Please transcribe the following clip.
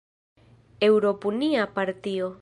Eŭropunia partio.